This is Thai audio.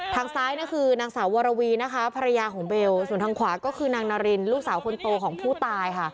ทางซ้ายนั่นคือนางสาววรวีนะคะภรรยาของเบลส่วนทางขวาก็คือนางนารินลูกสาวคนโตของผู้ตายค่ะ